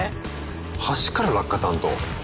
橋から落下担当。